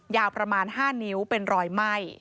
ยาวประมาณ๕นิ้วเป็นรอยไหม้